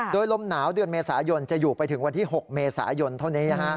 โดยลมหนาวเดือนเมษายนจะอยู่ไปถึงวันที่๖เมษายนเท่านี้